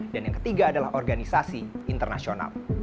dan yang ketiga adalah organisasi internasional